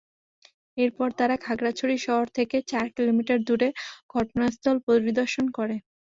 এরপর তারা খাগড়াছড়ি শহর থেকে চার কিলোমিটার দূরে ঘটনাস্থল পরিদর্শন করে।